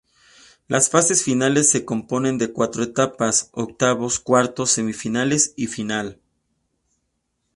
Las fases finales se componen de cuatro etapas: octavos, cuartos, semifinales y final.